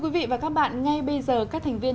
và các bạn ngay bây giờ các thành viên